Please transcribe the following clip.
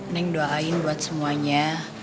neng doain buat semuanya